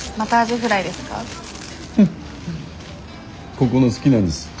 ここの好きなんです。